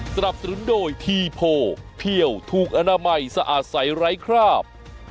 สนับสนุนโดยทีโพเพี่ยวถูกอนามัยสะอาดใสไร้คราบ